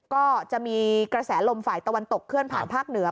ก็จะมีกระแสลมฝ่ายตะวันตกเคลื่อนผ่านภาคเหนือ